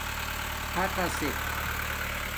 خَقَسک